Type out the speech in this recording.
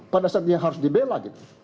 pada saatnya harus dibela gitu